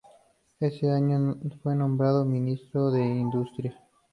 Ese año fue nombrado ministro de Industria.